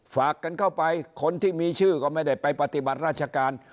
ฝากกันเข้าไปคนที่มีชื่อก็ไม่ได้ไปปฏิบัติราชการ